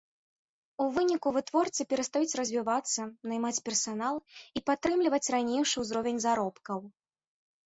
У выніку вытворцы перастаюць развівацца, наймаць персанал і падтрымліваць ранейшы ўзровень заробкаў.